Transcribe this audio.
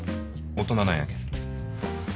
大人なんやけん。